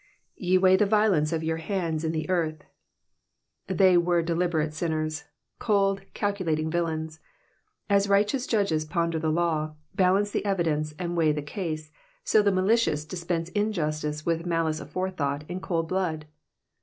'* Te weigh the violence of your hands in the eartn,''^ They were deliberate sinners, cold, calculating villains. As righteous judges ponder the law, balance the evidence, and weigh the case, so the malicious dispense injustice with malice aforethought in cold blood.